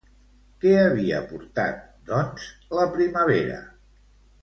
Què havia portat, doncs, la primavera?